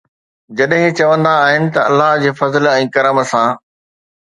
جڏهن چوندا آهن ته ’الله جي فضل ۽ ڪرم سان‘.